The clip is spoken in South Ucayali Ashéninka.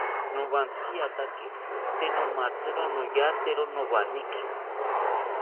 Nomantziatake tee nomatziro noyatero nowaneki